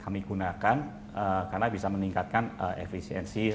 kami gunakan karena bisa meningkatkan efisiensi